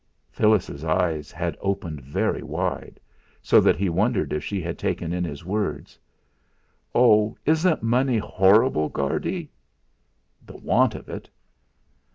Phyllis's eyes had opened very wide; so that he wondered if she had taken in his words. "Oh! Isn't money horrible, Guardy?" "The want of it."